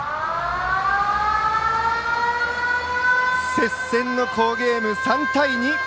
接戦の好ゲーム、３対２。